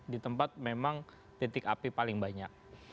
di tempat memang titik api paling banyak